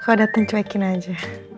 kalo dateng cuekin aja